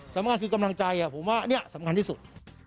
สำคัญคือกำลังใจผมว่าอันนี้สำคัญที่สุด